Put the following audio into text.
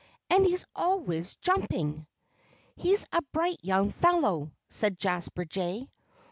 And he's always jumping." "He's a bright young fellow," said Jasper Jay.